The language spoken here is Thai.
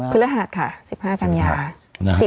พฤหัสค่ะ๑๕กันยา